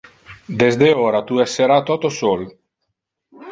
Desde ora tu essera toto sol.